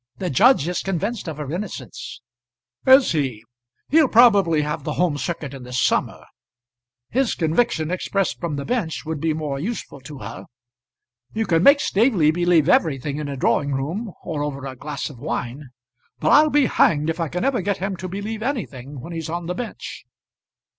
The judge is convinced of her innocence." "Is he? He'll probably have the Home Circuit in the summer. His conviction expressed from the bench would be more useful to her. You can make Staveley believe everything in a drawing room or over a glass of wine; but I'll be hanged if I can ever get him to believe anything when he's on the bench."